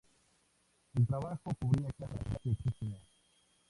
El trabajo cubría casi todas las máquinas informáticas que existían.